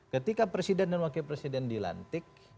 ketika presiden dan wakil presiden dilantik